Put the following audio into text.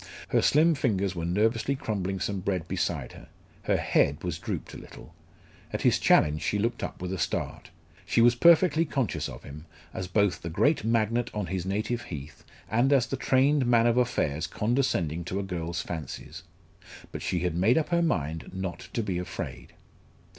Her slim fingers were nervously crumbling some bread beside her; her head was drooped a little. At his challenge she looked up with a start. She was perfectly conscious of him, as both the great magnate on his native heath, and as the trained man of affairs condescending to a girl's fancies. But she had made up her mind not to be afraid.